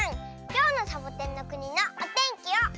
きょうのサボテンのくにのおてんきをおねがいします。